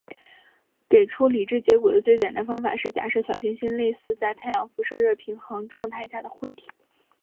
给出理智结果的最简单方法是假定小行星类似于在太阳辐射热平衡状态下的灰体。